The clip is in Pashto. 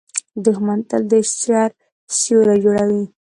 دښمن تل د شر سیوری جوړوي